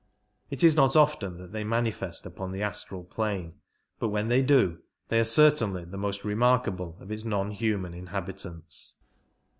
It is not often that they manifest upon the astral plane, but when they do they are certainly the most remarkable of its non human inhabitants.